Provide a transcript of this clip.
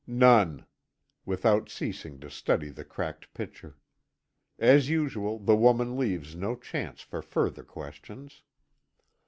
"None;" without ceasing to study the cracked pitcher. As usual, the woman leaves no chance for further questions.